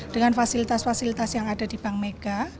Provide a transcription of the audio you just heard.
dengan fasilitas fasilitas yang ada di bank mega